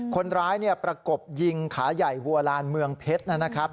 คนร้ายประกบยิงขาใหญ่วัวลานเมืองเพชรนะครับ